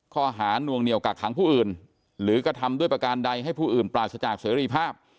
ข้อหานวงเหนียวกักขังผู้อื่นหรือกระทำด้วยประการใดให้ผู้อื่นปราศจากเสรีภาพ